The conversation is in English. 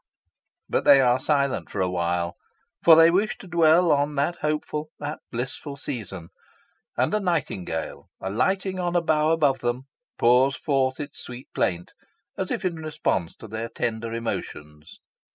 But they are silent for awhile, for they wish to dwell on that hopeful, that blissful season. And a nightingale, alighting on a bough above them, pours forth its sweet plaint, as if in response to their tender emotions.